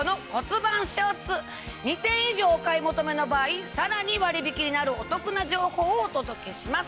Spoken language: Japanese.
２点以上お買い求めの場合さらに割引になるお得な情報をお届けします。